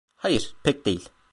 Hayır, pek değil.